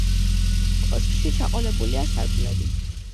კოშკში ჩაყოლებულია სარკმლები.